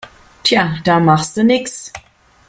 Tja, da machste nix.